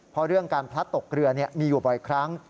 เพราะเรื่องการพลัดตกเรือมีอยู่บ่อยครั้ง